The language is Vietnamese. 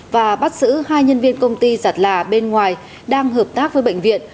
và bắt giữ hai nhân viên công ty giặt là bên ngoài đang hợp tác với bệnh viện